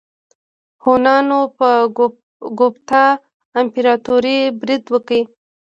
هونانو په ګوپتا امپراتورۍ برید وکړ.